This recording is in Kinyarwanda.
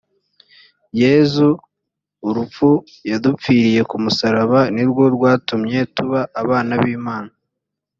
yezu urupfu yadupfiriye ku musaraba nirwo rwatumye tuba abana b’ imana